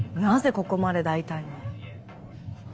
ここまで大胆に。